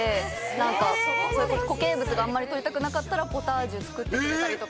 何か固形物があんまり取りたくなかったらポタージュ作ってくれたりとか。